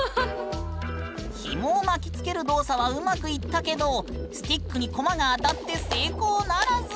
ヒモを巻きつける動作はうまくいったけどスティックにコマが当たって成功ならず。